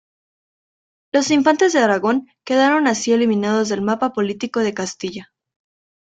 Los infantes de Aragón quedaron así eliminados del mapa político de Castilla.